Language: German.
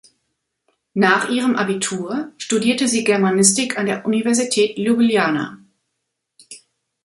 Nach ihrem Abitur studierte sie Germanistik an der Universität Ljubljana.